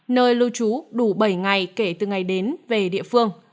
nơi lưu trú đủ bảy ngày kể từ ngày đến về địa phương